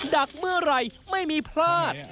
ดักเมื่อไหร่ไม่มีพลาด